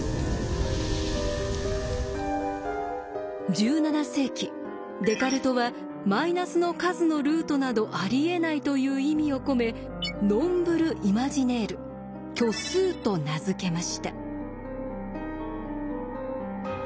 １７世紀デカルトはマイナスの数のルートなどありえないという意味を込め「ｎｏｍｂｒｅｉｍａｇｉｎａｉｒｅ」「虚数」と名付けました。